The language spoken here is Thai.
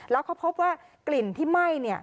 แล้วเขาพบว่ากลิ่นที่ไหม้เนี่ย